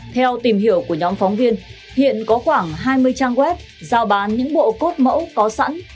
theo tìm hiểu của nhóm phóng viên hiện có khoảng hai mươi trang web giao bán những bộ cốt mẫu có sẵn